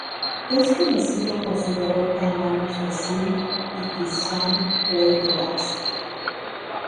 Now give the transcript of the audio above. Es conocido por su derrota a manos de Sin-Iqisham, rey de Larsa.